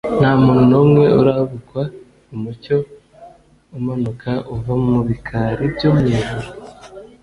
nta muntu n'umwe urabukwa umucyo umanuka uva mu bikari byo mu ijuru;